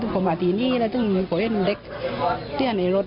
พอมาทีนี้แล้วถึงเขาเห็นเด็กเตี้ยในรถ